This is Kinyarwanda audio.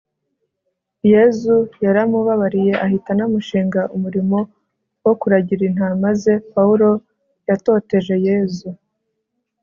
yezu yaramubabariye ahita anamushinga umurimo wo kuragira intama ze. paulo yatoteje yezu